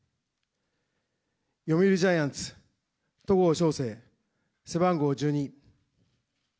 読売ジャイアンツ、戸郷翔征、背番号１２。